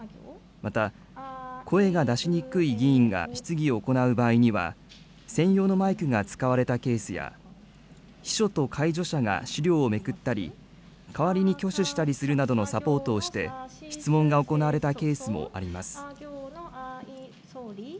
また、声が出しにくい議員が質疑を行う場合には、専用のマイクが使われたケースや、秘書と介助者が資料をめくったり代わりに挙手したりするなどのサポートをして、質問が行われたケースもあります。